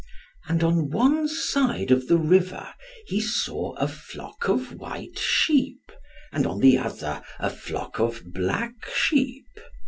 And on one side of the river he saw a flock of white sheep, and on the other a flock of black sheep.